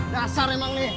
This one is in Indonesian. dasar emang nih